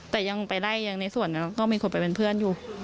แต่ยังไปไล่ยังในส่วนนั้นก็มีคนไปเป็นเพื่อนอยู่